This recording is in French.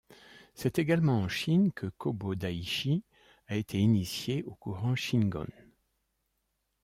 C'est également en Chine que Kobo Daishi a été initié au courant Shingon.